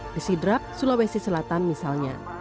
di sidrap sulawesi selatan misalnya